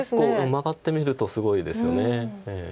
マガってみるとすごいですよね。